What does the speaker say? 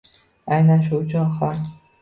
Aynan shu uchun ham